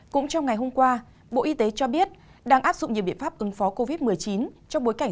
cũng trong ngày hôm qua bộ y tế cho biết đang áp dụng nhiều biện pháp ứng phó covid một mươi chín trong bối cảnh